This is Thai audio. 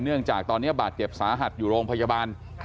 เนื่องจากตอนนี้บาดเจ็บสาหัสอยู่โรงพยาบาล